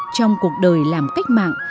trong cuộc đời làm cách mạng